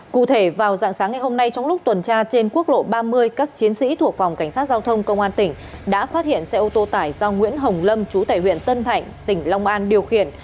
cụ thể vào dạng sáng ngày hôm nay trong lúc tuần tra trên quốc lộ ba mươi các chiến sĩ thuộc phòng cảnh sát giao thông công an tỉnh đã phát hiện xe ô tô tải do nguyễn hồng lâm chú tải huyện tân thạnh tỉnh long an điều khiển